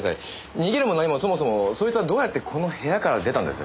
逃げるも何もそもそもそいつはどうやってこの部屋から出たんです？